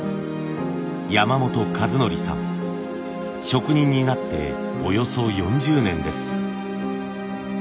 職人になっておよそ４０年です。